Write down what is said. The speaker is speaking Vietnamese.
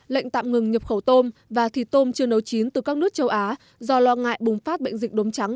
lệnh tạm ngừng nhập khẩu tôm và thịt tôm chưa nấu chín từ các nước châu á do lo ngại bùng phát bệnh dịch đốm trắng